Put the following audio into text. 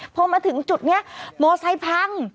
พอมาถึงจุดเนี่ยมอเตอร์ไซค์พัง